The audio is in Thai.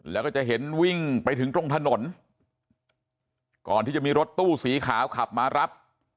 แล้วก็จะเห็นวิ่งไปถึงตรงถนนก่อนที่จะมีรถตู้สีขาวขับมารับ